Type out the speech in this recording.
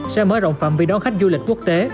sẽ mở rộng phẩm vì đón khách du lịch quốc tế